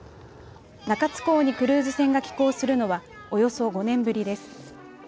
中津港にクルーズ船が寄港するのはおよそ５年ぶりです。